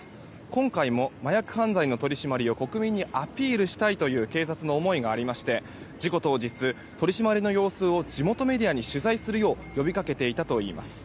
今回も麻薬犯罪の取り締まりを国民にアピールしたいという警察の思いがありまして事故当日、取り締まりの様子を地元メディアに取材するよう呼び掛けていたということです。